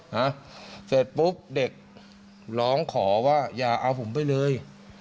นะเสร็จปุ๊บเด็กร้องขอว่าอย่าเอาผมไปเลย